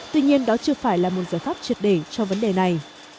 tuy nhiên đó chưa phải là một giải pháp triệt để cho vấn đề này